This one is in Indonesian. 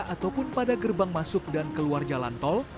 ataupun pada gerbang masuk dan keluar jalan tol